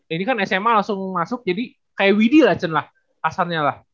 ini kan sma langsung masuk jadi kayak widi lah cun lah asalnya lah